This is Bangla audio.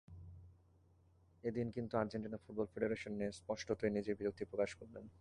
এদিন কিন্তু আর্জেন্টিনা ফুটবল ফেডারেশন নিয়ে স্পষ্টতই নিজের বিরক্তি প্রকাশ করলেন।